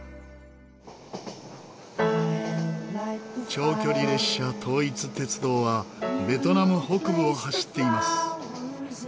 長距離列車統一鉄道はベトナム北部を走っています。